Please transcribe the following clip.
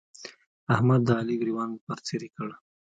احمد د علي ګرېوان پر څيرې کړ.